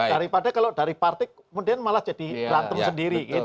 daripada kalau dari partai kemudian malah jadi berantem sendiri